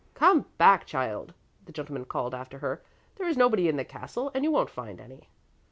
"Come back, child!" the gentleman called after her. "There is nobody in the castle, and you won't find any."